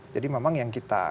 jadi memang yang kita